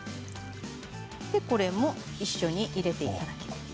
これも一緒に入れていただきます。